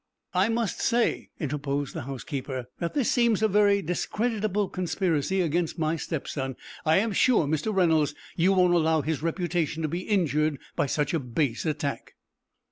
"I must say," interposed the housekeeper, "that this seems a very discreditable conspiracy against my stepson. I am sure, Mr. Reynolds, you won't allow his reputation to be injured by such a base attack."